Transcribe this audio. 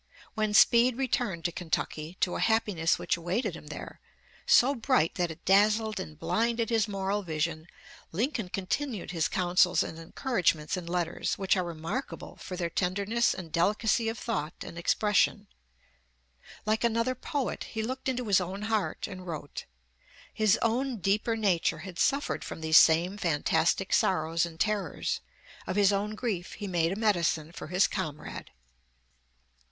When Speed returned to Kentucky, to a happiness which awaited him there, so bright that it dazzled and blinded his moral vision, Lincoln continued his counsels and encouragements in letters which are remarkable for their tenderness and delicacy of thought and expression. Like another poet, he looked into his own heart and wrote. His own deeper nature had suffered from these same fantastic sorrows and terrors; of his own grief he made a medicine for his comrade.